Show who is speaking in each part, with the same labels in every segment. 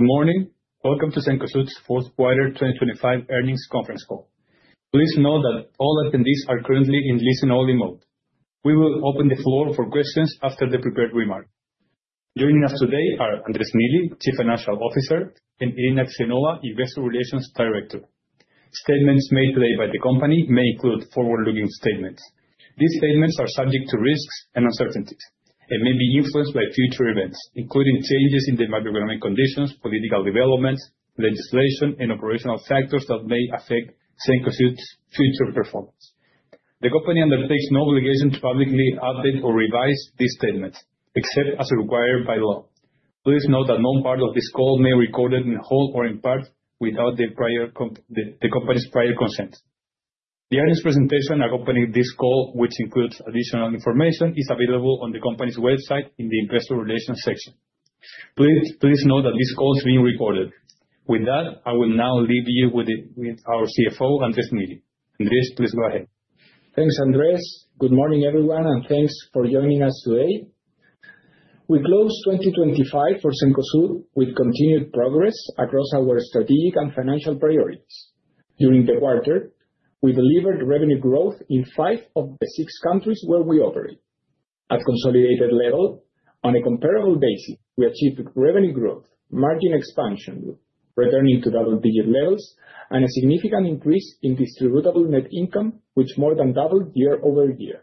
Speaker 1: Good morning. Welcome to Cencosud's fourth quarter 2025 earnings conference call. Please note that all attendees are currently in listen-only mode. We will open the floor for questions after the prepared remarks. Joining us today are Andrés Neely, Chief Financial Officer, and Irina Aksionova, Investor Relations Director. Statements made today by the company may include forward-looking statements. These statements are subject to risks and uncertainties, and may be influenced by future events, including changes in the macroeconomic conditions, political developments, legislation, and operational factors that may affect Cencosud's future performance. The company undertakes no obligation to publicly update or revise these statements, except as required by law. Please note that no part of this call may be recorded in whole or in part without the prior the company's prior consent. The earnings presentation accompanying this call, which includes additional information, is available on the company's website in the Investor Relations section. Please, please note that this call is being recorded. With that, I will now leave you with our CFO, Andrés Neely. Andrés, please go ahead.
Speaker 2: Thanks, Andrés. Good morning, everyone, and thanks for joining us today. We closed 2025 for Cencosud with continued progress across our strategic and financial priorities. During the quarter, we delivered revenue growth in five of the six countries where we operate. At consolidated level, on a comparable basis, we achieved revenue growth, margin expansion, returning to double digit levels, and a significant increase in distributable net income, which more than doubled year-over-year.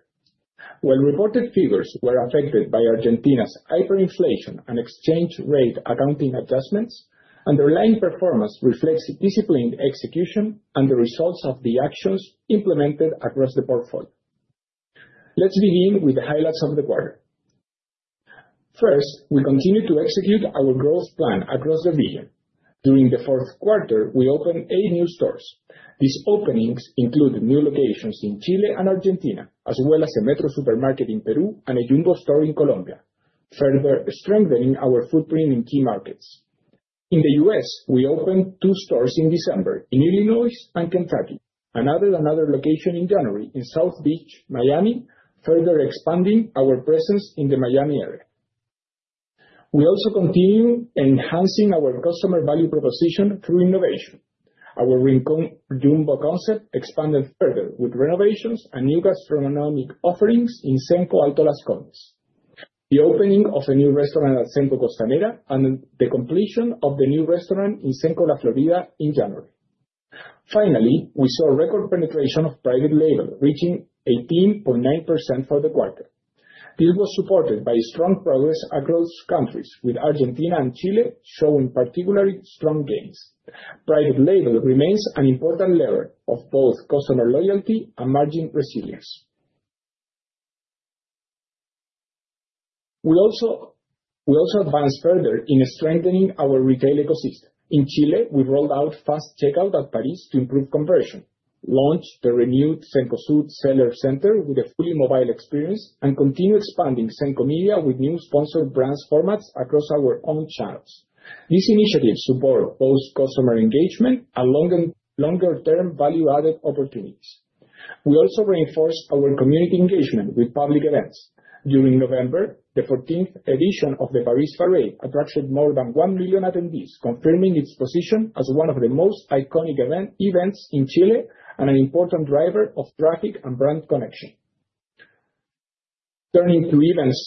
Speaker 2: When reported figures were affected by Argentina's hyperinflation and exchange rate accounting adjustments, underlying performance reflects disciplined execution and the results of the actions implemented across the portfolio. Let's begin with the highlights of the quarter. First, we continue to execute our growth plan across the region. During the fourth quarter, we opened eight new stores. These openings include new locations in Chile and Argentina, as well as a Metro supermarket in Peru and a Jumbo store in Colombia, further strengthening our footprint in key markets. In the U.S., we opened two stores in December, in Illinois and Kentucky, and added another location in January in South Beach, Miami, further expanding our presence in the Miami area. We also continue enhancing our customer value proposition through innovation. Our Jumbo concept expanded further with renovations and new gastronomic offerings in Cenco Alto Las Condes, the opening of a new restaurant at Cenco Costanera, and the completion of the new restaurant in Cenco La Florida in January. Finally, we saw record penetration of private label, reaching 18.9% for the quarter. This was supported by strong progress across countries, with Argentina and Chile showing particularly strong gains. Private label remains an important lever of both customer loyalty and margin resilience. We also, we also advanced further in strengthening our retail ecosystem. In Chile, we rolled out fast checkout at Paris to improve conversion, launched the renewed Cencosud Seller Center with a fully mobile experience, and continued expanding Cencosud Media with new sponsored brands formats across our own channels. These initiatives support both customer engagement and longer, longer term value-added opportunities. We also reinforced our community engagement with public events. During November, the fourteenth edition of the Paris Parade attracted more than 1 million attendees, confirming its position as one of the most iconic event, events in Chile and an important driver of traffic and brand connection. Turning to events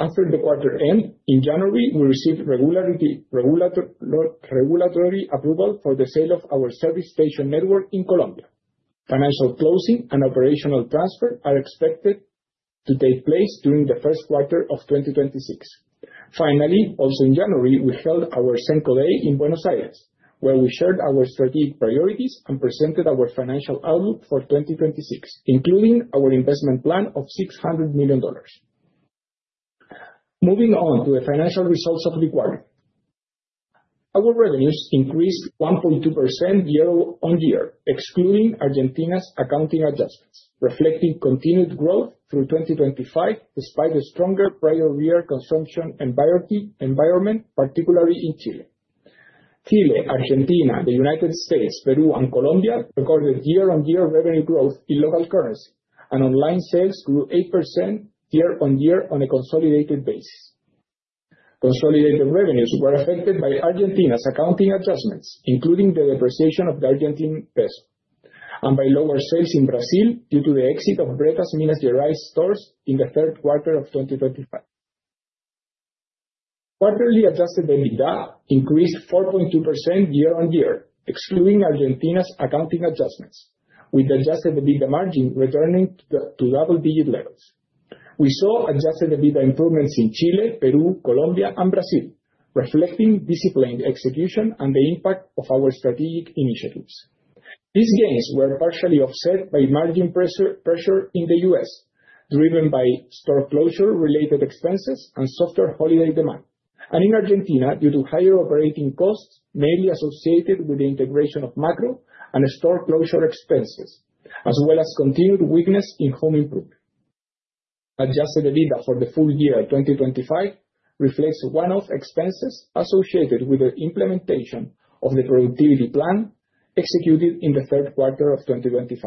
Speaker 2: after the quarter end, in January, we received regulatory approval for the sale of our service station network in Colombia. Financial closing and operational transfer are expected to take place during the first quarter of 2026. Finally, also in January, we held our Cencosud Day in Buenos Aires, where we shared our strategic priorities and presented our financial outlook for 2026, including our investment plan of $600 million. Moving on to the financial results of the quarter. Our revenues increased 1.2% year-on-year, excluding Argentina's accounting adjustments, reflecting continued growth through 2025, despite the stronger prior year consumption environment, particularly in Chile. Chile, Argentina, the United States, Peru, and Colombia recorded year-on-year revenue growth in local currency, and online sales grew 8% year-on-year on a consolidated basis. Consolidated revenues were affected by Argentina's accounting adjustments, including the depreciation of the Argentine peso, and by lower sales in Brazil, due to the exit of Bretas Minas Gerais stores in the third quarter of 2025. Quarterly Adjusted EBITDA increased 4.2% year-on-year, excluding Argentina's accounting adjustments, with Adjusted EBITDA margin returning to double-digit levels. We saw Adjusted EBITDA improvements in Chile, Peru, Colombia, and Brazil, reflecting disciplined execution and the impact of our strategic initiatives. These gains were partially offset by margin pressure in the US, driven by store closure-related expenses and softer holiday demand. In Argentina, due to higher operating costs, mainly associated with the integration of Makro and store closure expenses, as well as continued weakness in home improvement. Adjusted EBITDA for the full year 2025 reflects one-off expenses associated with the implementation of the productivity plan-... Executed in the third quarter of 2025.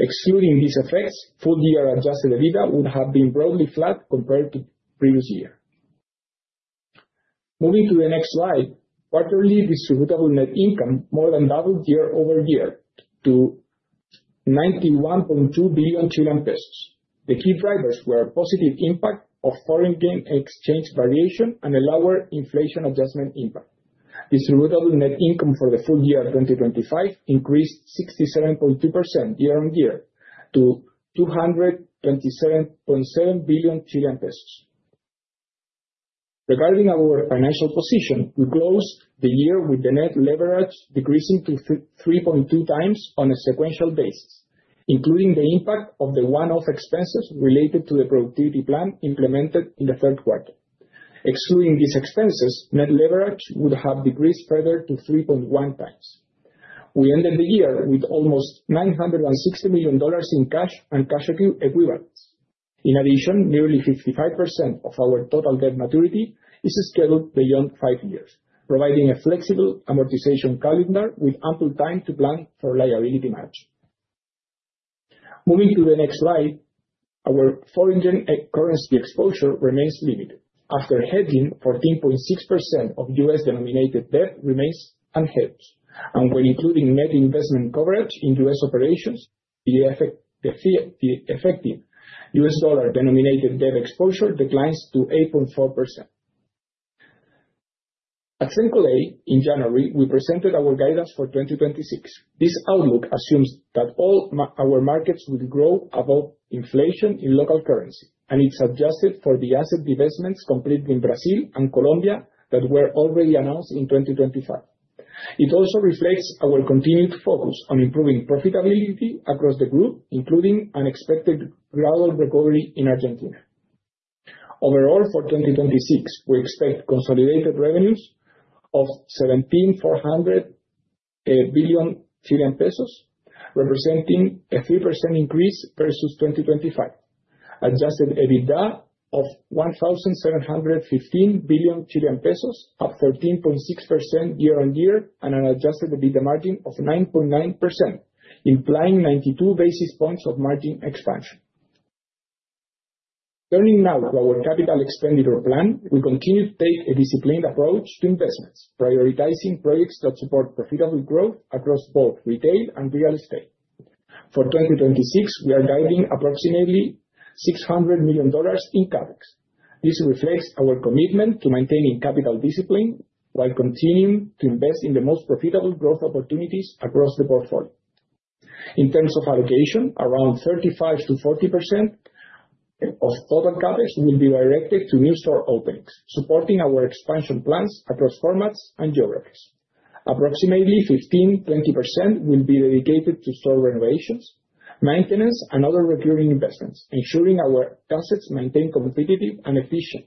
Speaker 2: Excluding these effects, full-year Adjusted EBITDA would have been broadly flat compared to previous year. Moving to the next slide, quarterly Distributable Net Income more than doubled year-over-year to 91.2 billion Chilean pesos. The key drivers were a positive impact of foreign exchange gain variation and a lower inflation adjustment impact. Distributable Net Income for the full year 2025 increased 67.2% year-over-year, to CLP 227.7 billion. Regarding our financial position, we closed the year with the net leverage decreasing to 3.2 times on a sequential basis, including the impact of the one-off expenses related to the productivity plan implemented in the third quarter. Excluding these expenses, net leverage would have decreased further to 3.1 times. We ended the year with almost $960 million in cash and cash equivalent equivalents. In addition, nearly 55% of our total debt maturity is scheduled beyond five years, providing a flexible amortization calendar with ample time to plan for liability match. Moving to the next slide, our foreign currency exposure remains limited. After hedging, 14.6% of U.S. denominated debt remains unhedged, and when including net investment coverage in U.S. operations, the effective U.S. dollar denominated debt exposure declines to 8.4%. At Cencosud Day, in January, we presented our guidance for 2026. This outlook assumes that our markets will grow above inflation in local currency, and it's adjusted for the asset divestments completed in Brazil and Colombia that were already announced in 2025. It also reflects our continued focus on improving profitability across the group, including unexpected lower recovery in Argentina. Overall, for 2026, we expect consolidated revenues of CLP 1,740 billion, representing a 3% increase versus 2025. Adjusted EBITDA of 1,715 billion Chilean pesos, up 13.6% year-on-year, and an Adjusted EBITDA margin of 9.9%, implying 92 basis points of margin expansion. Turning now to our capital expenditure plan, we continue to take a disciplined approach to investments, prioritizing projects that support profitable growth across both retail and real estate. For 2026, we are guiding approximately $600 million in CapEx. This reflects our commitment to maintaining capital discipline, while continuing to invest in the most profitable growth opportunities across the portfolio. In terms of allocation, around 35%-40% of total CapEx will be directed to new store openings, supporting our expansion plans across formats and geographies. Approximately 15%-20% will be dedicated to store renovations, maintenance, and other recurring investments, ensuring our concepts maintain competitive and efficient.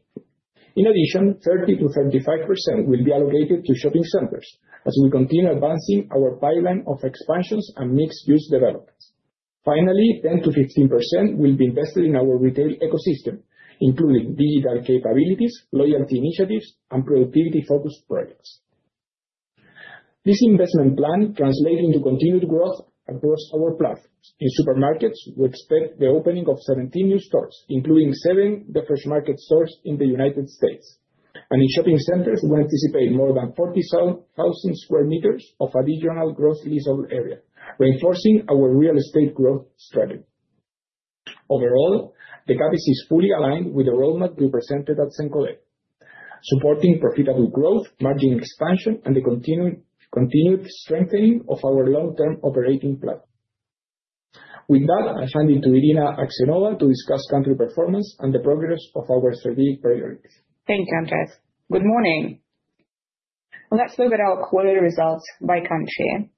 Speaker 2: In addition, 30%-35% will be allocated to shopping centers, as we continue advancing our pipeline of expansions and mixed-use developments. Finally, 10%-15% will be invested in our retail ecosystem, including digital capabilities, loyalty initiatives, and productivity-focused projects. This investment plan translating to continued growth across our platforms. In supermarkets, we expect the opening of 17 new stores, including seven The Fresh Market stores in the United States. In shopping centers, we anticipate more than 40,000 square meters of additional gross leasable area, reinforcing our real estate growth strategy. Overall, the CapEx is fully aligned with the roadmap we presented at Cencosud, supporting profitable growth, margin expansion, and the continued strengthening of our long-term operating platform. With that, I'll hand it to Irina Aksionova to discuss country performance and the progress of our strategic priorities.
Speaker 3: Thank you, Andrés. Good morning. Let's look at our quarter results by country.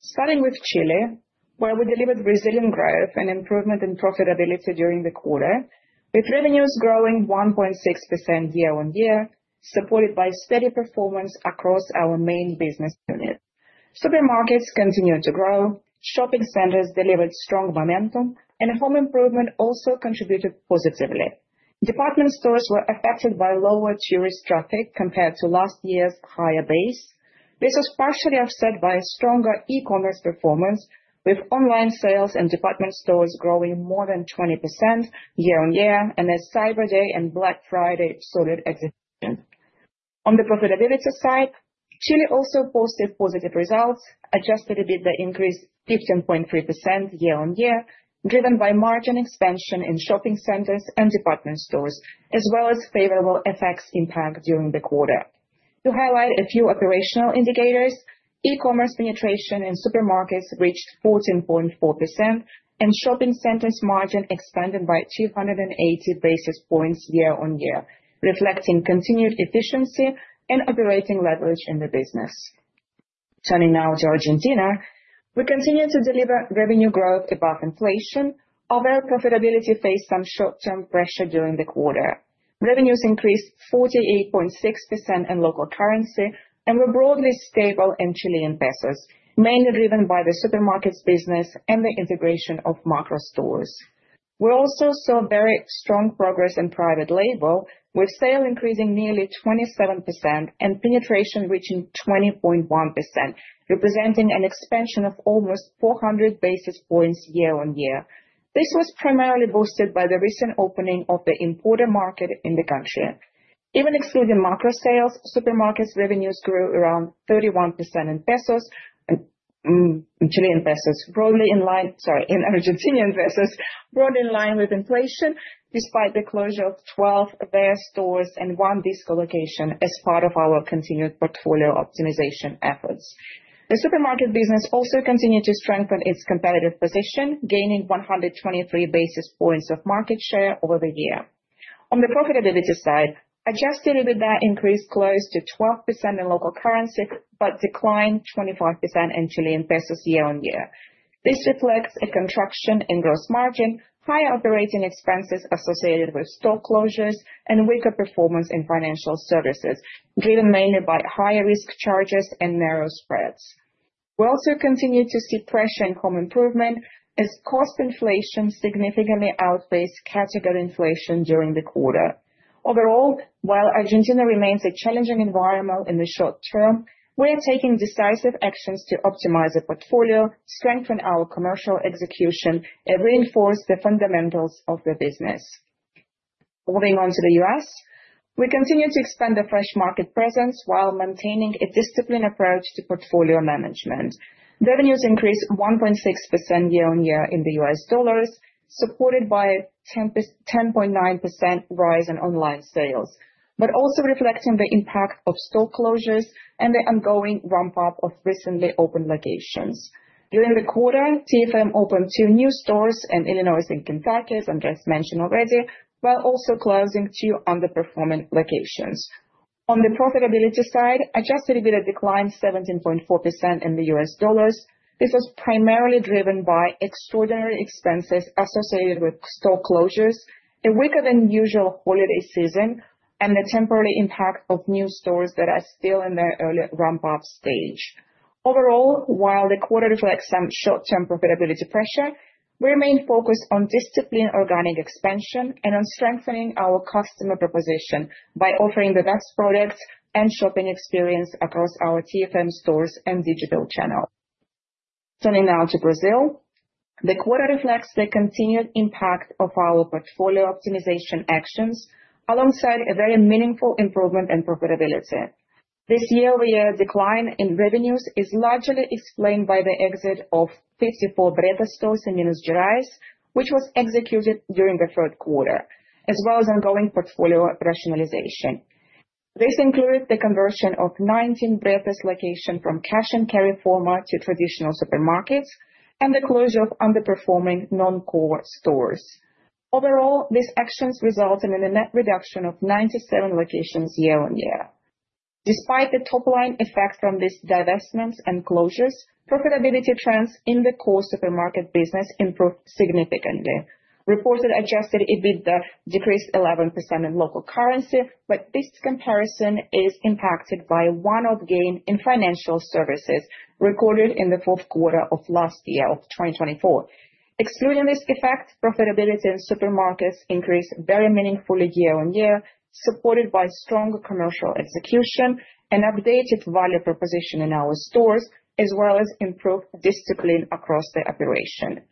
Speaker 3: Starting with Chile, where we delivered resilient growth and improvement in profitability during the quarter, with revenues growing 1.6% year-on-year, supported by steady performance across our main business units. Supermarkets continued to grow, shopping centers delivered strong momentum, and home improvement also contributed positively. Department stores were affected by lower tourist traffic compared to last year's higher base. This was partially offset by a stronger e-commerce performance, with online sales and department stores growing more than 20% year-on-year, and a Cyber Day and Black Friday solid execution. On the profitability side, Chile also posted positive results, Adjusted EBITDA increased 15.3% year-on-year, driven by margin expansion in shopping centers and department stores, as well as favorable FX impact during the quarter. To highlight a few operational indicators, e-commerce penetration in supermarkets reached 14.4%, and shopping centers margin expanded by 280 basis points year-on-year, reflecting continued efficiency and operating leverage in the business. Turning now to Argentina. We continue to deliver revenue growth above inflation, although profitability faced some short-term pressure during the quarter. Revenues increased 48.6% in local currency and were broadly stable in Chilean pesos, mainly driven by the supermarkets business and the integration of Makro stores. We also saw very strong progress in private label, with sales increasing nearly 27% and penetration reaching 20.1%, representing an expansion of almost 400 basis points year-on-year. This was primarily boosted by the recent opening of the import market in the country. Even excluding macro sales, supermarkets revenues grew around 31% in pesos, Chilean pesos, broadly in line, sorry, in Argentine pesos, broadly in line with inflation, despite the closure of 12 Vea stores and one Disco location as part of our continued portfolio optimization efforts. The supermarket business also continued to strengthen its competitive position, gaining 123 basis points of market share over the year. On the profitability side, Adjusted EBITDA increased close to 12% in local currency, but declined 25% in Chilean pesos year-on-year. This reflects a contraction in gross margin, high operating expenses associated with store closures, and weaker performance in financial services, driven mainly by higher risk charges and narrow spreads. We also continued to see pressure in home improvement as cost inflation significantly outpaced category inflation during the quarter. Overall, while Argentina remains a challenging environment in the short term, we are taking decisive actions to optimize the portfolio, strengthen our commercial execution, and reinforce the fundamentals of the business. Moving on to the U.S., we continue to expand The Fresh Market presence while maintaining a disciplined approach to portfolio management. Revenues increased 1.6% year-on-year in USD, supported by 10.9% rise in online sales, but also reflecting the impact of store closures and the ongoing ramp-up of recently opened locations. During the quarter, TFM opened 2 new stores in Illinois and Kentucky, as Andrés mentioned already, while also closing two underperforming locations. On the profitability side, Adjusted EBITDA declined 17.4% in USD. This was primarily driven by extraordinary expenses associated with store closures, a weaker than usual holiday season, and the temporary impact of new stores that are still in their early ramp-up stage. Overall, while the quarter reflects some short-term profitability pressure, we remain focused on disciplined organic expansion and on strengthening our customer proposition by offering the best products and shopping experience across our TFM stores and digital channel. Turning now to Brazil, the quarter reflects the continued impact of our portfolio optimization actions, alongside a very meaningful improvement in profitability. This year-over-year decline in revenues is largely explained by the exit of 54 Bretas stores in Minas Gerais, which was executed during the third quarter, as well as ongoing portfolio rationalization. This includes the conversion of 19 Bretas locations from Cash and carry format to traditional supermarkets, and the closure of underperforming non-core stores. Overall, these actions resulted in a net reduction of 97 locations year-on-year. Despite the top-line effects from these divestments and closures, profitability trends in the core supermarket business improved significantly. Reported Adjusted EBITDA decreased 11% in local currency, but this comparison is impacted by one-off gain in financial services recorded in the fourth quarter of last year, of 2024. Excluding this effect, profitability in supermarkets increased very meaningfully year-on-year, supported by strong commercial execution and updated value proposition in our stores, as well as improved discipline across the operation.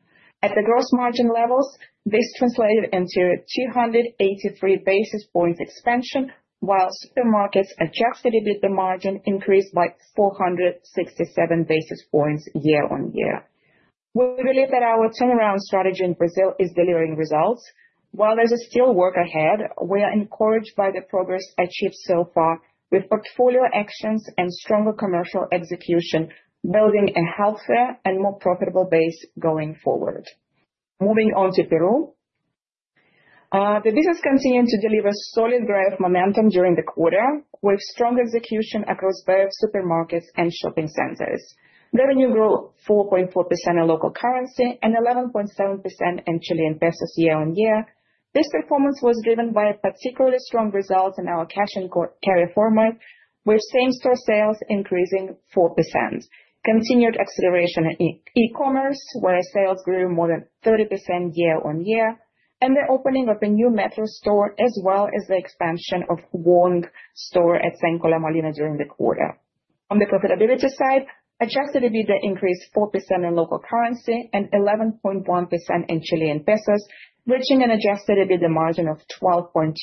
Speaker 3: At the gross margin levels, this translated into a 283 basis points expansion, while supermarkets Adjusted EBITDA margin increased by 467 basis points year-on-year. We believe that our turnaround strategy in Brazil is delivering results. While there's still work ahead, we are encouraged by the progress achieved so far, with portfolio actions and stronger commercial execution, building a healthier and more profitable base going forward. Moving on to Peru. The business continued to deliver solid growth momentum during the quarter, with strong execution across both supermarkets and shopping centers. Revenue grew 4.4% in local currency and 11.7% in Chilean pesos year-on-year. This performance was driven by a particularly strong result in our cash and carry format, with same-store sales increasing 4%. Continued acceleration in e-commerce, where sales grew more than 30% year-on-year, and the opening of a new Metro store, as well as the expansion of Wong store at Cenco La Molina during the quarter. On the profitability side, Adjusted EBITDA increased 4% in local currency and 11.1% in Chilean pesos, reaching an Adjusted EBITDA margin of 12.2%.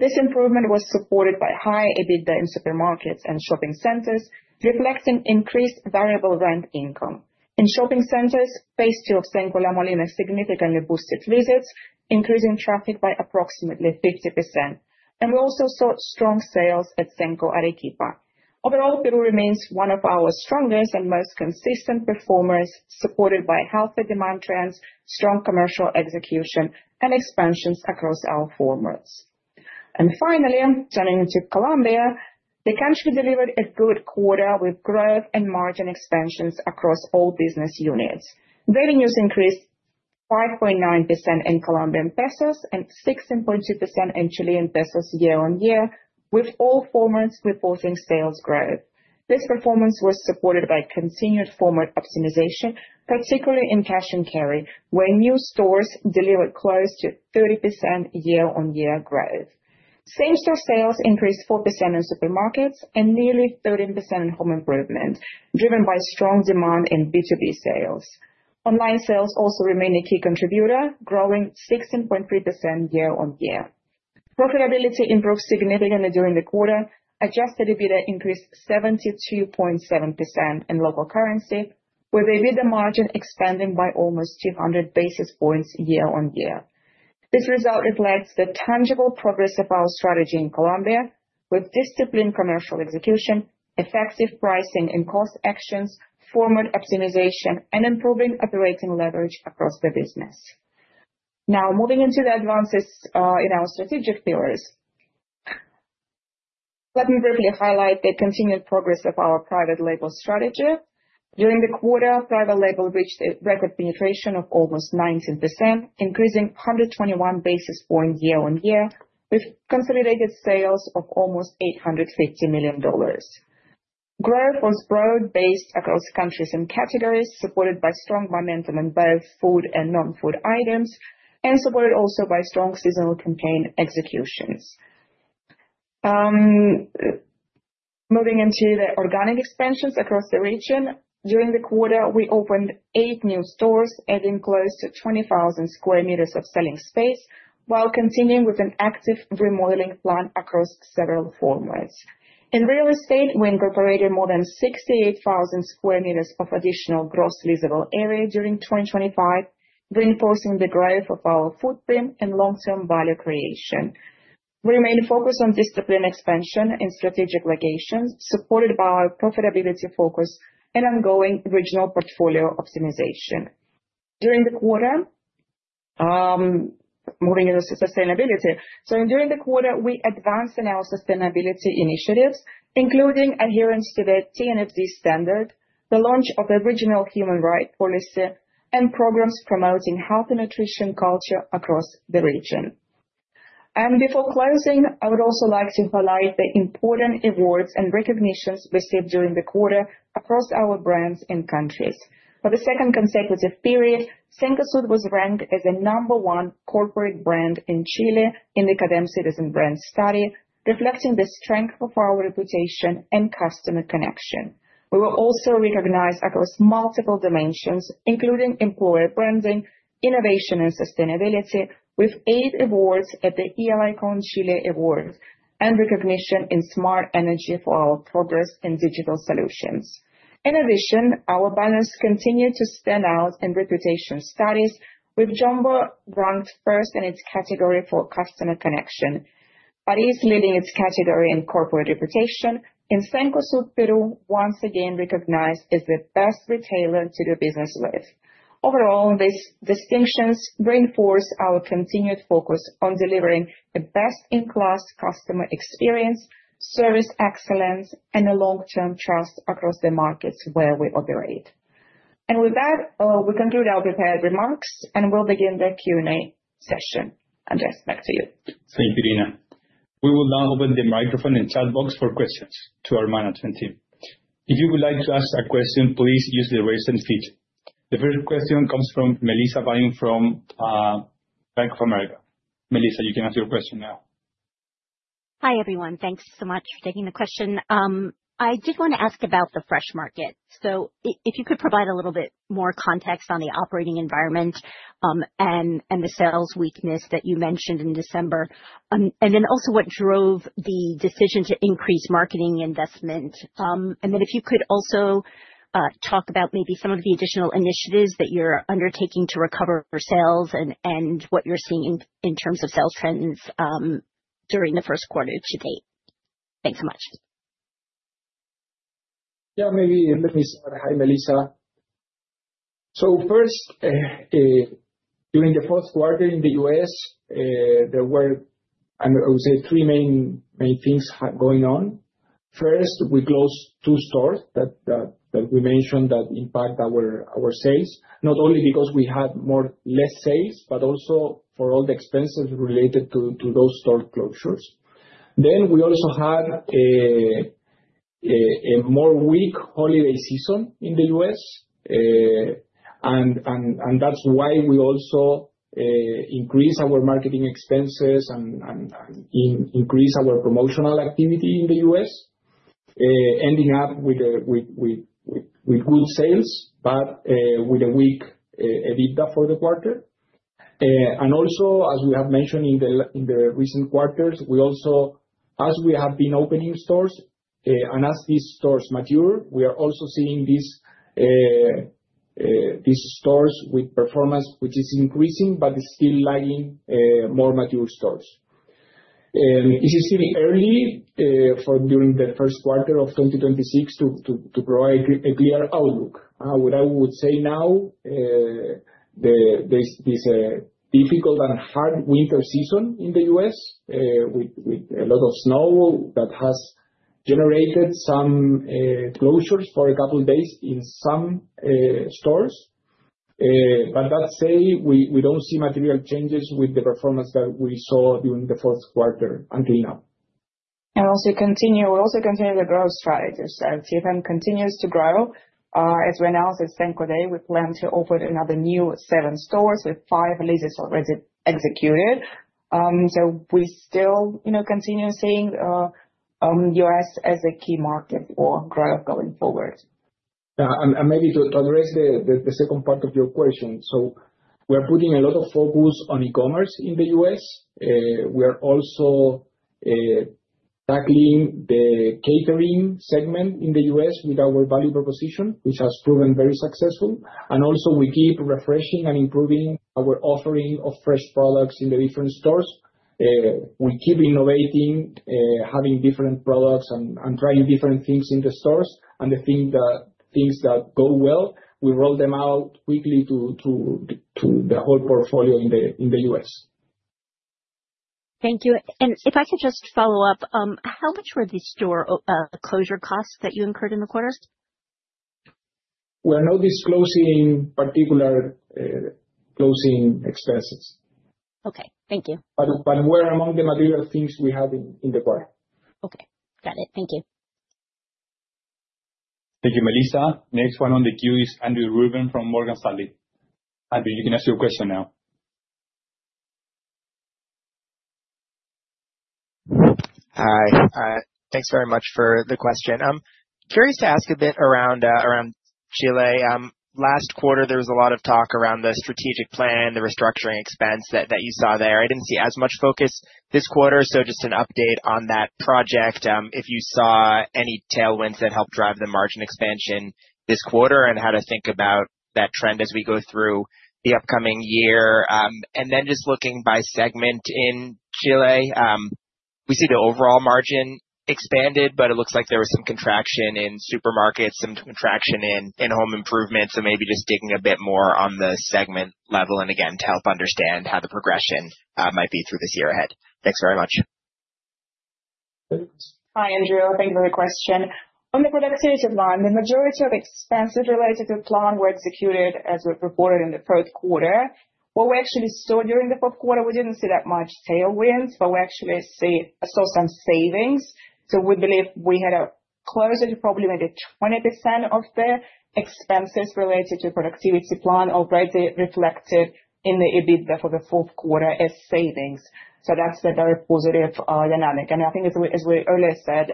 Speaker 3: This improvement was supported by high EBITDA in supermarkets and shopping centers, reflecting increased variable rent income. In shopping centers, phase two of Cenco La Molina significantly boosted visits, increasing traffic by approximately 50%, and we also saw strong sales at Cenco Arequipa. Overall, Peru remains one of our strongest and most consistent performers, supported by healthy demand trends, strong commercial execution, and expansions across our formats. Finally, turning to Colombia. The country delivered a good quarter with growth and margin expansions across all business units. Revenues increased five point nine percent in Colombian pesos and sixteen point two percent in Chilean pesos year-on-year, with all formats reporting sales growth. This performance was supported by continued format optimization, particularly in cash and carry, where new stores delivered close to 30% year-on-year growth. Same-store sales increased 4% in supermarkets and nearly 13% in home improvement, driven by strong demand in B2B sales. Online sales also remain a key contributor, growing 16.3% year-on-year. Profitability improved significantly during the quarter. Adjusted EBITDA increased 72.7% in local currency, with EBITDA margin expanding by almost 200 basis points year-on-year. This result reflects the tangible progress of our strategy in Colombia, with disciplined commercial execution, effective pricing and cost actions, format optimization, and improving operating leverage across the business. Now, moving into the advances, in our strategic pillars. Let me briefly highlight the continued progress of our private label strategy. During the quarter, private label reached a record penetration of almost 19%, increasing 121 basis points year-on-year, with consolidated sales of almost $850 million. Growth was broad-based across countries and categories, supported by strong momentum in both food and non-food items, and supported also by strong seasonal campaign executions. Moving into the organic expansions across the region, during the quarter, we opened 8 new stores, adding close to 20,000 square meters of selling space, while continuing with an active remodeling plan across several formats. In real estate, we incorporated more than 68,000 square meters of additional gross leasable area during 2025, reinforcing the growth of our footprint and long-term value creation. We remain focused on disciplined expansion in strategic locations, supported by our profitability focus and ongoing regional portfolio optimization. During the quarter, moving into sustainability. During the quarter, we advanced in our sustainability initiatives, including adherence to the TNFD standard, the launch of the regional human rights policy, and programs promoting healthy nutrition culture across the region. Before closing, I would also like to highlight the important awards and recognitions received during the quarter across our brands and countries. For the second consecutive period, Cencosud was ranked as the number one corporate brand in Chile in the Cadem Citizen Brand Study, reflecting the strength of our reputation and customer connection. We were also recognized across multiple dimensions, including employer branding, innovation, and sustainability, with eight awards at the Eikon Chile Awards, and recognition in smart energy for our progress in digital solutions. In addition, our banners continued to stand out in reputation studies, with Jumbo ranked first in its category for customer connection. Paris leading its category in corporate reputation, and Cencosud Peru once again recognized as the best retailer to do business with. Overall, these distinctions reinforce our continued focus on delivering the best-in-class customer experience, service excellence, and a long-term trust across the markets where we operate. And with that, we conclude our prepared remarks, and we'll begin the Q&A session. Andrés, back to you.
Speaker 2: Thank you, Irina. We will now open the microphone and chat box for questions to our management team.
Speaker 1: If you would like to ask a question, please use the Raise Hand feature. The first question comes from Melissa Byun from Bank of America. Melissa, you can ask your question now.
Speaker 4: Hi, everyone. Thanks so much for taking the question. I did want to ask about The Fresh Market. So if you could provide a little bit more context on the operating environment, and the sales weakness that you mentioned in December, and then also what drove the decision to increase marketing investment. And then if you could also talk about maybe some of the additional initiatives that you're undertaking to recover your sales, and what you're seeing in terms of sales trends during the first quarter to date. Thanks so much.
Speaker 2: Yeah, maybe let me start. Hi, Melissa. So first, during the first quarter in the U.S., there were, I would say 3 main things going on. First, we closed 2 stores that we mentioned that impact our sales. Not only because we had more, less sales, but also for all the expenses related to those store closures. Then we also had a more weak holiday season in the U.S., and that's why we also increased our marketing expenses and increased our promotional activity in the U.S., ending up with good sales, but with a weak EBITDA for the quarter. And also, as we have mentioned in the recent quarters, we also... As we have been opening stores, and as these stores mature, we are also seeing these stores with performance, which is increasing but still lagging more mature stores. It is still early during the first quarter of 2026 to provide a clear outlook. What I would say now, this difficult and hard winter season in the U.S., with a lot of snow that has generated some closures for a couple days in some stores. But that said, we don't see material changes with the performance that we saw during the fourth quarter until now.
Speaker 3: Also continue, we also continue the growth strategies, as Cencosud continues to grow. As we announced at Cencosud Day, we plan to open another new seven stores, with five leases already executed. We still, you know, continue seeing U.S. as a key market for growth going forward.
Speaker 2: Yeah, and maybe to address the second part of your question. So we're putting a lot of focus on e-commerce in the U.S. We are also tackling the catering segment in the U.S. with our value proposition, which has proven very successful. And also, we keep refreshing and improving our offering of fresh products in the different stores. We keep innovating, having different products and trying different things in the stores. And the things that go well, we roll them out quickly to the whole portfolio in the U.S.
Speaker 4: Thank you. And if I could just follow up, how much were the store closure costs that you incurred in the quarter?
Speaker 2: We are not disclosing particular, closing expenses.
Speaker 4: Okay, thank you.
Speaker 2: We're among the material things we have in the quarter.
Speaker 4: Okay. Got it. Thank you.
Speaker 1: Thank you, Melissa. Next one on the queue is Andrew Ruben from Morgan Stanley. Andrew, you can ask your question now.
Speaker 5: Hi, thanks very much for the question. Curious to ask a bit around Chile. Last quarter, there was a lot of talk around the strategic plan, the restructuring expense that you saw there. I didn't see as much focus this quarter, so just an update on that project, if you saw any tailwinds that helped drive the margin expansion this quarter, and how to think about that trend as we go through the upcoming year? And then just looking by segment in Chile, we see the overall margin expanded, but it looks like there was some contraction in supermarkets, some contraction in home improvement. So maybe just digging a bit more on the segment level, and again, to help understand how the progression might be through this year ahead. Thanks very much.
Speaker 3: Hi, Andrew. Thank you for the question. On the productivity line, the majority of expenses related to the plan were executed as we reported in the third quarter. What we actually saw during the fourth quarter, we didn't see that much tailwinds, but we actually saw some savings. So we believe we had a closer to probably maybe 20% of the expenses related to productivity plan already reflected in the EBITDA for the fourth quarter as savings. So that's a very positive dynamic. And I think as we earlier said,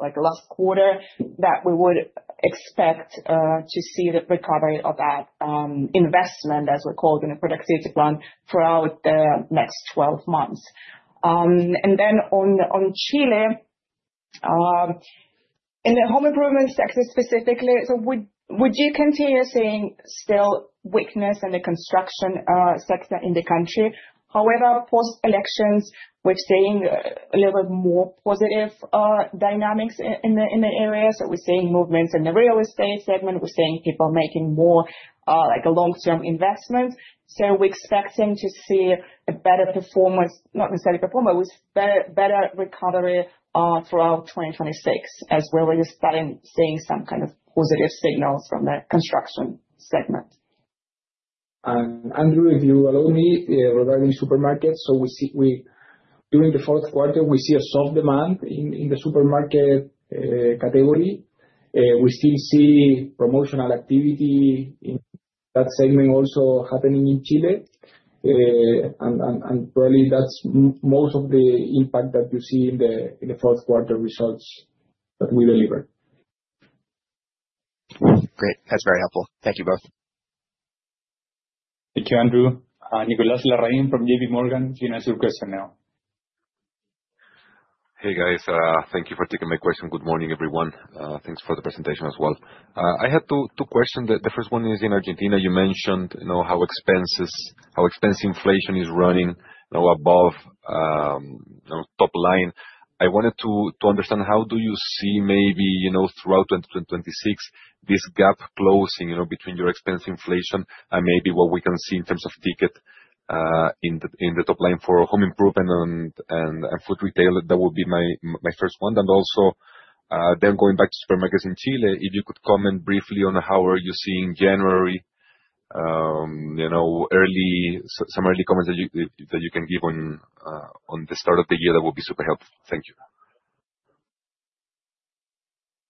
Speaker 3: like last quarter, that we would expect to see the recovery of that investment, as we called in the productivity plan, throughout the next 12 months. And then on Chile, in the home improvement sector specifically, so would you continue seeing still weakness in the construction sector in the country? However, post-elections, we're seeing a little bit more positive dynamics in the area. So we're seeing movements in the real estate segment, we're seeing people making more, like, a long-term investment. So we're expecting to see a better performance... not necessarily performance, but better recovery throughout 2026, as we're already starting seeing some kind of positive signals from that construction segment.
Speaker 2: And Andrew, if you allow me, regarding supermarkets. So we, during the fourth quarter, we see a soft demand in the supermarket category. We still see promotional activity in that segment also happening in Chile. And probably that's most of the impact that you see in the fourth quarter results that we delivered.
Speaker 5: Great. That's very helpful. Thank you both.
Speaker 2: Thank you, Andrew.
Speaker 1: Nicolas Larrain from J.P. Morgan, you can ask your question now.
Speaker 6: Hey, guys. Thank you for taking my question. Good morning, everyone. Thanks for the presentation as well. I had two questions. The first one is in Argentina. You mentioned, you know, how expense inflation is running, you know, above, you know, top line. I wanted to understand how do you see maybe, you know, throughout 2026, this gap closing, you know, between your expense inflation and maybe what we can see in terms of ticket, in the top line for home improvement and food retail? That would be my first one. And also, then going back to supermarkets in Chile, if you could comment briefly on how you are seeing January, you know, early... Some early comments that you can give on the start of the year, that would be super helpful. Thank you.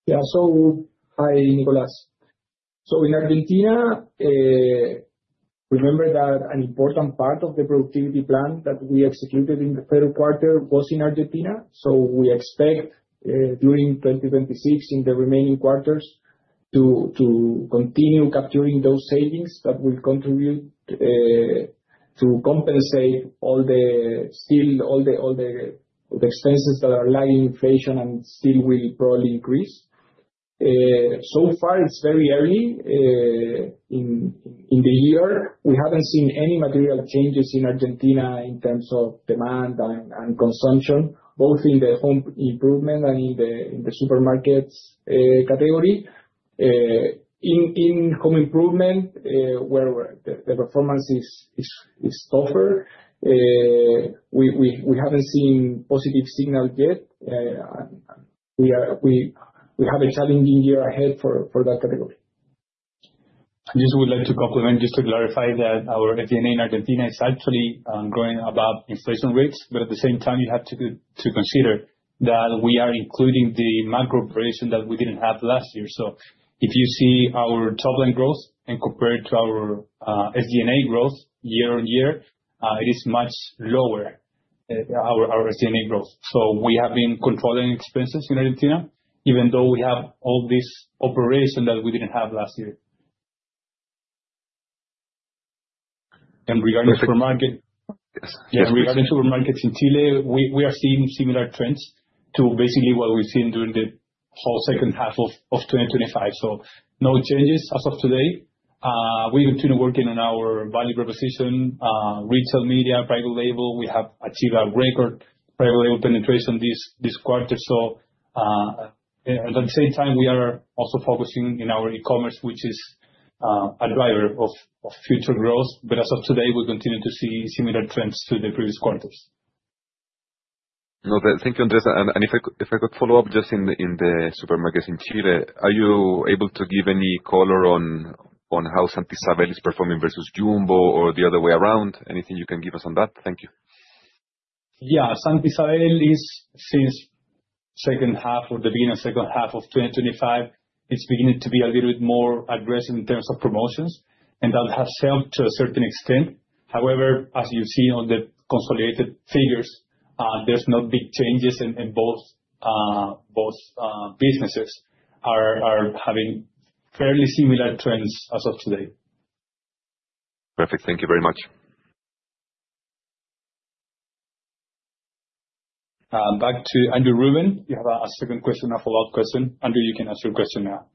Speaker 2: Yeah. So hi, Nicolas. So in Argentina, remember that an important part of the productivity plan that we executed in the third quarter was in Argentina. So we expect, during 2026, in the remaining quarters, to continue capturing those savings that will contribute to compensate all the, still all the, all the, the expenses that are lagging inflation and still will probably increase. So far, it's very early in the year. We haven't seen any material changes in Argentina in terms of demand and consumption, both in the home improvement and in the supermarkets category. In home improvement, where the performance is tougher, we haven't seen positive signal yet. We have a challenging year ahead for that category.
Speaker 1: I just would like to comment, just to clarify that our SG&A in Argentina is actually growing above inflation rates. But at the same time, you have to consider that we are including the Makro operation that we didn't have last year. So if you see our total growth and compare it to our SG&A growth year-over-year, it is much lower, our SG&A growth. So we have been controlling expenses in Argentina, even though we have all this Makro operation that we didn't have last year.
Speaker 2: And regarding supermarket-
Speaker 1: Yes.
Speaker 2: Yeah, regarding supermarkets in Chile, we are seeing similar trends to basically what we've seen during the whole second half of 2025. So no changes as of today. We continue working on our value proposition, retail media, private label. We have achieved a record private label penetration this quarter. So, at the same time, we are also focusing in our e-commerce, which is a driver of future growth. But as of today, we continue to see similar trends to the previous quarters.
Speaker 6: No, but thank you, Andrés. And if I could follow up just in the supermarkets in Chile, are you able to give any color on how Santa Isabel is performing versus Jumbo or the other way around? Anything you can give us on that? Thank you.
Speaker 2: Yeah. Santa Isabel is since second half or the beginning of second half of 2025, it's beginning to be a little bit more aggressive in terms of promotions, and that has helped to a certain extent. However, as you see on the consolidated figures, there's no big changes in both businesses are having fairly similar trends as of today.
Speaker 6: Perfect. Thank you very much.
Speaker 1: Back to Andrew Ruben. You have a second question, a follow-up question. Andrew, you can ask your question now.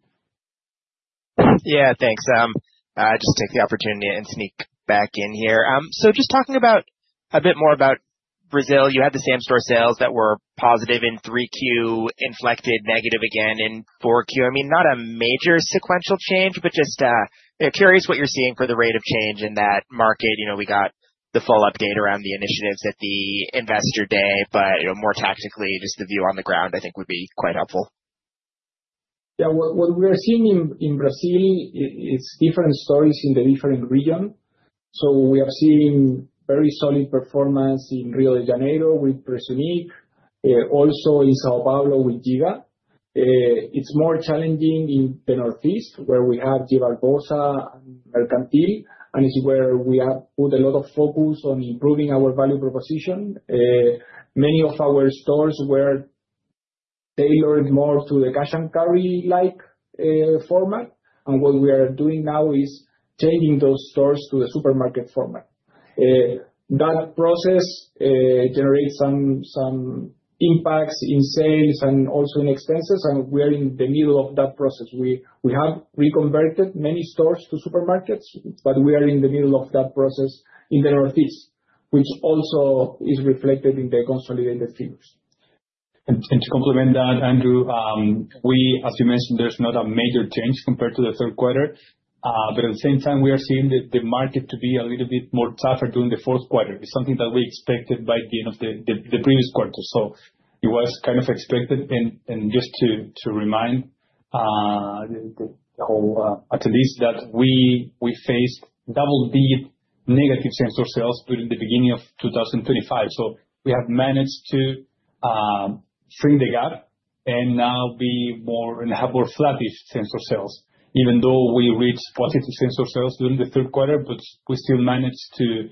Speaker 5: Yeah, thanks. Just take the opportunity and sneak back in here. So just talking about a bit more about Brazil, you had the same store sales that were positive in 3Q, inflected negative again in 4Q. I mean, not a major sequential change, but just curious what you're seeing for the rate of change in that market. You know, we got the full update around the initiatives at the investor day, but you know, more tactically, just the view on the ground, I think would be quite helpful.
Speaker 2: Yeah. What we are seeing in Brazil is different stories in the different region. So we have seen very solid performance in Rio de Janeiro with Prezunic. Also in São Paulo with Giga. It's more challenging in the Northeast, where we have GBarbosa and Mercantil, and it's where we have put a lot of focus on improving our value proposition. Many of our stores were tailored more to the cash-and-carry-like format, and what we are doing now is changing those stores to a supermarket format. That process generates some impacts in sales and also in expenses, and we are in the middle of that process. We have reconverted many stores to supermarkets, but we are in the middle of that process in the Northeast, which also is reflected in the consolidated figures.
Speaker 1: To complement that, Andrew, as you mentioned, there's not a major change compared to the third quarter. But at the same time, we are seeing the market to be a little bit more tougher during the fourth quarter. It's something that we expected by the end of the previous quarter. So it was kind of expected. Just to remind the whole attendees that we faced double-digit negative same store sales during the beginning of 2025. So we have managed to shrink the gap and now be more and have more flattish same store sales, even though we reached positive same store sales during the third quarter. But we still managed to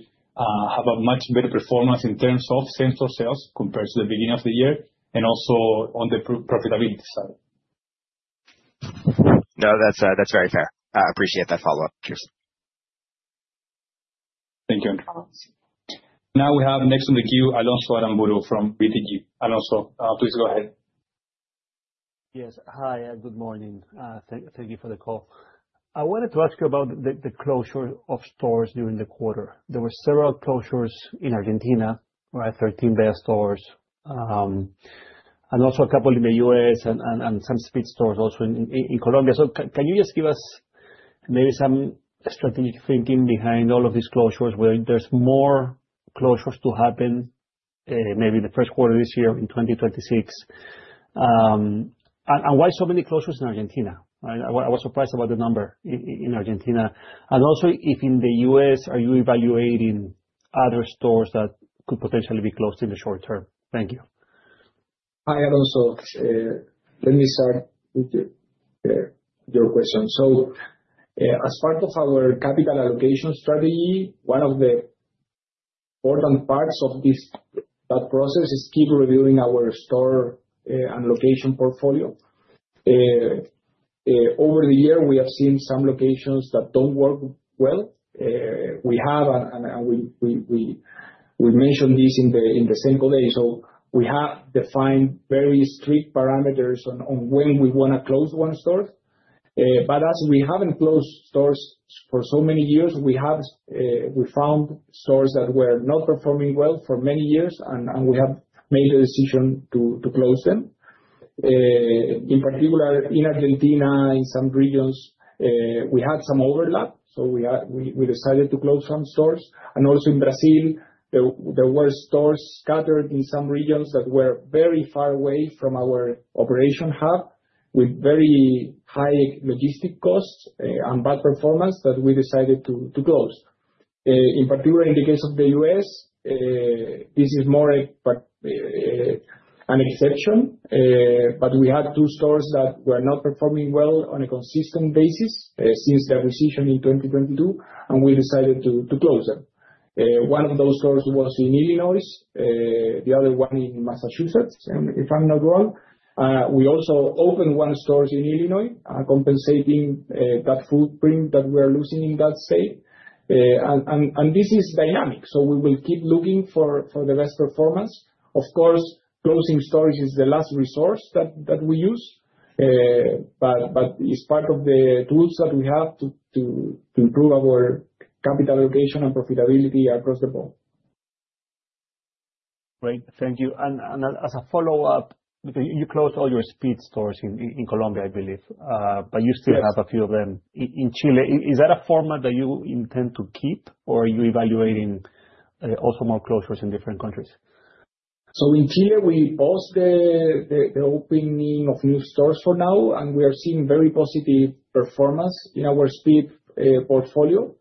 Speaker 1: have a much better performance in terms of same-store sales compared to the beginning of the year and also on the profitability side.
Speaker 5: No, that's, that's very fair. I appreciate that follow-up. Cheers.
Speaker 1: Thank you. Now we have next on the queue, Alonso Aramburu from BTG. Alonso, please go ahead.
Speaker 7: Yes. Hi, good morning. Thank you for the call. I wanted to ask you about the closure of stores during the quarter. There were several closures in Argentina, right? 13 Bretas stores, and also a couple in the U.S. and some street stores also in Colombia. So can you just give us maybe some strategic thinking behind all of these closures, where there's more closures to happen, maybe in the first quarter of this year, in 2026? And why so many closures in Argentina, right? I was surprised about the number in Argentina. And also, if in the U.S., are you evaluating other stores that could potentially be closed in the short term? Thank you.
Speaker 2: Hi, Alonso. Let me start with your question. So, as part of our capital allocation strategy, one of the important parts of this, that process is keep reviewing our store and location portfolio. Over the year, we have seen some locations that don't work well. We have and, and, and we, we, we, we mentioned this in the, in the same day. So we have defined very strict parameters on when we want to close one store. But as we haven't closed stores for so many years, we have, we found stores that were not performing well for many years, and we have made the decision to close them. In particular, in Argentina, in some regions, we had some overlap, so we are- we, we decided to close some stores. And also in Brazil, there were stores scattered in some regions that were very far away from our operation hub, with very high logistic costs, and bad performance that we decided to close. In particular, in the case of the U.S., this is more an exception, but we had two stores that were not performing well on a consistent basis, since the acquisition in 2022, and we decided to close them. One of those stores was in Illinois, the other one in Massachusetts, if I'm not wrong. We also opened one store in Illinois, compensating that footprint that we are losing in that state. And this is dynamic, so we will keep looking for the best performance. Of course, closing stores is the last resource that we use, but it's part of the tools that we have to improve our capital allocation and profitability across the board.
Speaker 7: Great. Thank you. And as a follow-up, you closed all your Spid stores in Colombia, I believe, but you still-
Speaker 2: Yes...
Speaker 7: have a few of them in Chile. Is that a format that you intend to keep, or are you evaluating also more closures in different countries?
Speaker 2: So in Chile, we paused the opening of new stores for now, and we are seeing very positive performance in our Spid portfolio.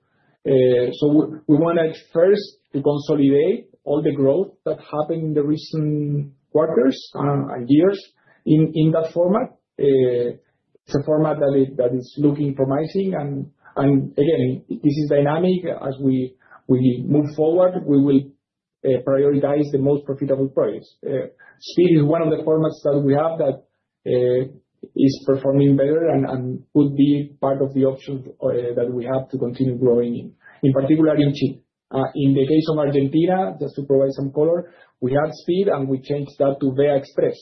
Speaker 2: So we wanted first to consolidate all the growth that happened in the recent quarters and years in that format. It's a format that is looking promising, and again, this is dynamic. As we move forward, we will prioritize the most profitable products. Spid is one of the formats that we have that is performing better and could be part of the options that we have to continue growing in particular in Chile. In the case of Argentina, just to provide some color, we had Spid, and we changed that to Vea Express.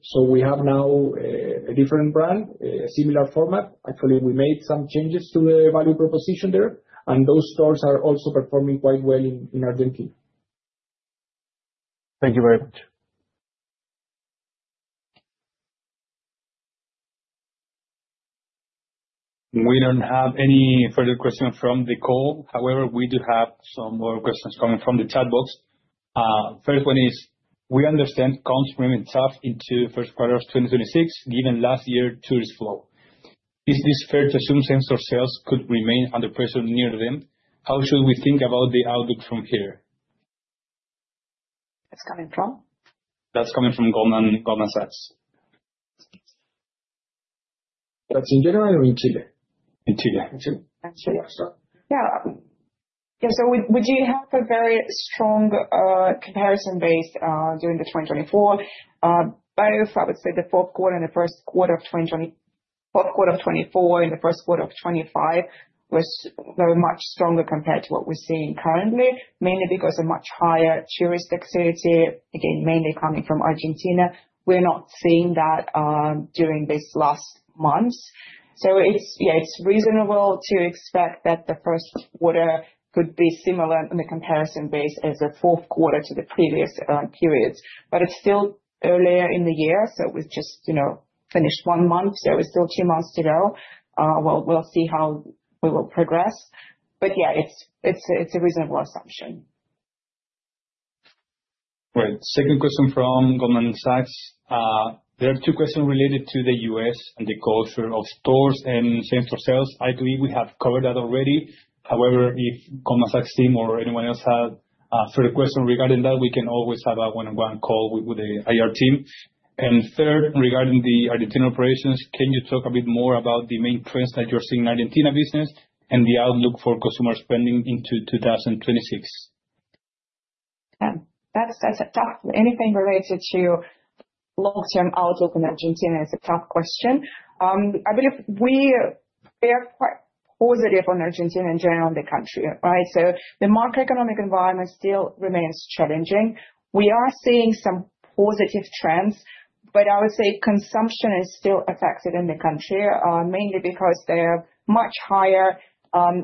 Speaker 2: So we have now a different brand, a similar format. Actually, we made some changes to the value proposition there, and those stores are also performing quite well in Argentina.
Speaker 7: Thank you very much.
Speaker 1: We don't have any further questions from the call. However, we do have some more questions coming from the chat box. First one is: We understand comps remaining tough into first quarter of 2026, given last year tourist flow. Is this fair to assume same store sales could remain under pressure near them? How should we think about the outlook from here?
Speaker 3: It's coming from?
Speaker 1: That's coming from Goldman, Goldman Sachs.
Speaker 2: That's in general or in Chile?
Speaker 1: In Chile.
Speaker 2: In Chile.
Speaker 3: In Chile. Yeah, yeah, so we, we do have a very strong comparison base during 2024. Both, I would say the fourth quarter and the first quarter of 2024—fourth quarter of 2024 and the first quarter of 2025—was very much stronger compared to what we're seeing currently, mainly because of much higher tourist activity, again, mainly coming from Argentina. We're not seeing that during this last months. So it's, yeah, it's reasonable to expect that the first quarter could be similar in the comparison base as the fourth quarter to the previous periods. But it's still earlier in the year, so we've just, you know, finished one month, so it's still two months to go. We'll, we'll see how we will progress. But yeah, it's, it's a, it's a reasonable assumption.
Speaker 1: Right. Second question from Goldman Sachs. There are two questions related to the U.S. and the closure of stores and same store sales. I believe we have covered that already. However, if Goldman Sachs team or anyone else has a further question regarding that, we can always have a one-on-one call with the IR team. And third, regarding the Argentina operations, can you talk a bit more about the main trends that you're seeing in Argentina business and the outlook for customer spending into 2026?
Speaker 3: Yeah. That's, that's a tough... Anything related to long-term outlook in Argentina is a tough question. I believe we are quite positive on Argentina, in general, the country, right? So the macroeconomic environment still remains challenging. We are seeing some positive trends, but I would say consumption is still affected in the country, mainly because there are much higher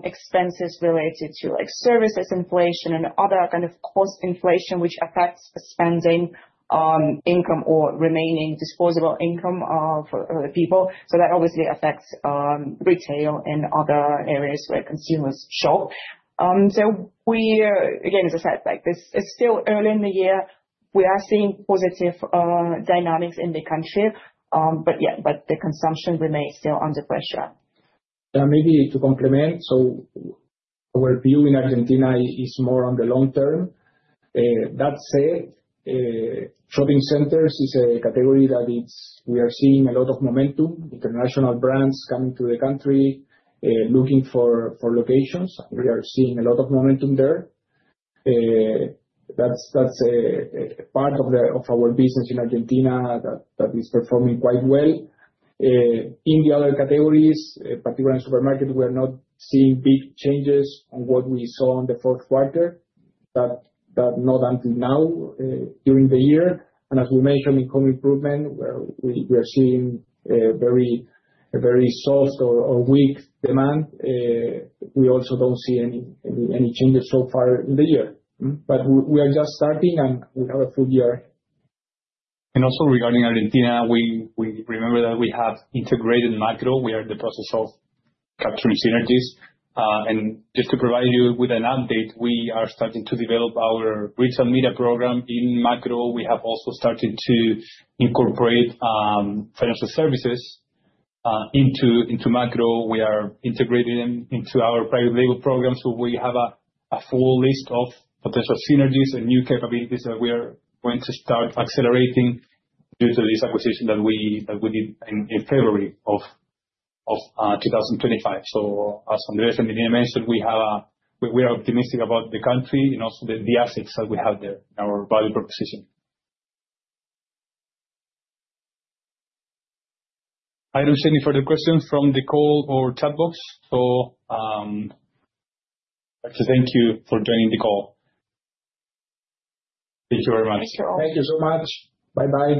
Speaker 3: expenses related to, like, services, inflation, and other kind of cost inflation, which affects spending, income, or remaining disposable income for the people. So that obviously affects retail and other areas where consumers shop. So we again, as I said, like, this, it's still early in the year. We are seeing positive dynamics in the country, but yeah, but the consumption remains still under pressure.
Speaker 2: Maybe to complement, so our view in Argentina is more on the long term. That said, shopping centers is a category that is we are seeing a lot of momentum, international brands coming to the country, looking for, for locations. We are seeing a lot of momentum there. That's a part of our business in Argentina that is performing quite well. In the other categories, particularly in supermarket, we're not seeing big changes on what we saw on the fourth quarter, but not until now, during the year. And as we mentioned, income improvement, we are seeing a very soft or weak demand. We also don't see any changes so far in the year. But we are just starting, and we have a full year.
Speaker 1: Also regarding Argentina, we remember that we have integrated Makro. We are in the process of capturing synergies. And just to provide you with an update, we are starting to develop our retail media program in Makro. We have also started to incorporate financial services into Makro. We are integrating them into our private label program, so we have a full list of potential synergies and new capabilities that we are going to start accelerating due to this acquisition that we did in February of 2025. So as Andrés and Irina mentioned, we are optimistic about the country and also the assets that we have there, our value proposition. I don't see any further questions from the call or chat box, so actually, thank you for joining the call.
Speaker 2: Thank you very much.
Speaker 3: Thank you.
Speaker 2: Thank you so much. Bye-bye.